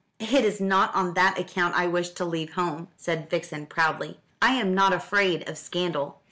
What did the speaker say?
"It is not on that account I wish to leave home," said Vixen proudly. "I am not afraid of scandal.